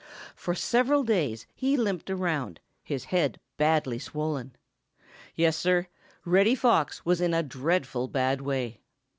For several days he limped around, his head badly swollen. Yes, Sir, Reddy Fox was in a dreadful bad way.